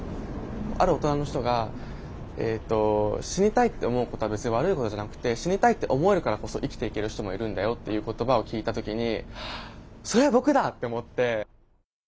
ある大人の人が「死にたいって思うことは別に悪いことじゃなくて死にたいって思えるからこそ生きていける人もいるんだよ」っていう言葉を聞いた時にそれ僕だって思って。